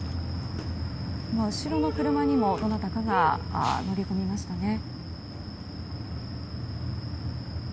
今、後ろの車にもどなたかが乗り込みましたね。